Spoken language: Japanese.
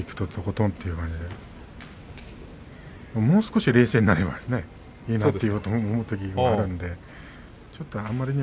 もう少し冷静になればいいなと思うときもあるので。